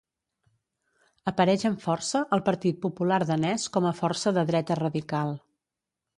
Apareix amb força el Partit Popular Danès com a força de dreta radical.